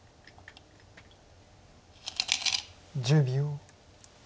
１０秒。